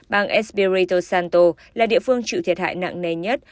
bang espirito santo là địa phương chịu thiệt hại nặng nề nhất